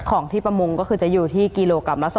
ของที่ประมงก็คือจะอยู่ที่กิโลกรัมละ๒๐